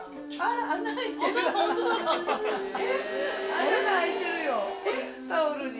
穴が開いてるよタオルに。